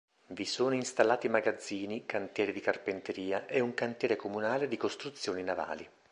Vi sono installati magazzini, cantieri di carpenteria e un cantiere comunale di costruzioni navali.